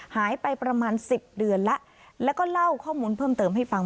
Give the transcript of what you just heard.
หายไปประมาณ๑๐เดือนแล้วแล้วก็เล่าข้อมูลเพิ่มเติมให้ฟัง